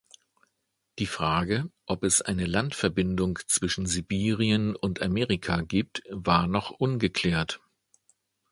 Die Frage, ob es eine Landverbindung zwischen Sibirien und Amerika gibt, war noch ungeklärt.